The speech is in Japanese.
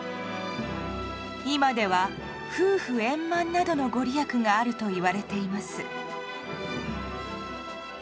今では夫婦円満などのご利益があるといわれています。